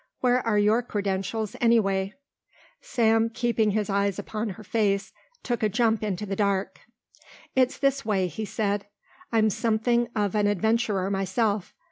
Where are your credentials, anyway?" Sam, keeping his eyes upon her face, took a jump into the dark. "It's this way," he said, "I'm something of an adventurer myself.